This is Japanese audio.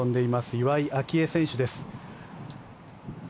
岩井明愛選手です。